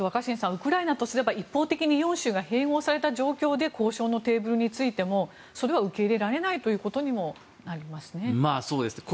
ウクライナとすれば一方的に４州が併合された状況で交渉のテーブルに着いてもそれは受け入れられないということにもなりますね。